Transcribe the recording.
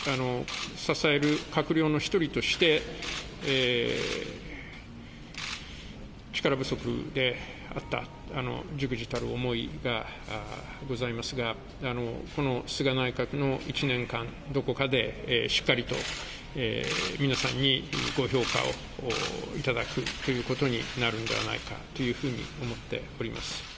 支える閣僚の一人として、力不足であった、じくじたる思いがございますが、この菅内閣の１年間、どこかでしっかりと皆さんにご評価をいただくということになるのではないかというふうに思っております。